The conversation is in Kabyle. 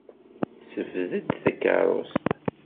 Ssebded takeṛṛust.